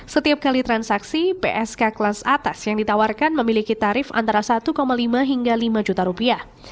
setiap kali transaksi psk kelas atas yang ditawarkan memiliki tarif antara satu lima hingga lima juta rupiah